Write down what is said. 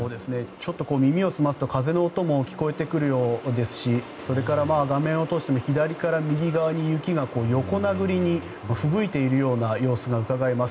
ちょっと耳を澄ますと風の音も聞こえてくるようですしそれから、画面を通しても左から右側に雪が横殴りにふぶいているような様子がうかがえます。